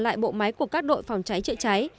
lại bộ máy của các đội phòng cháy chữa cháy